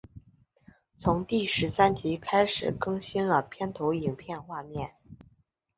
从第十三集开始更新了片头影片画面。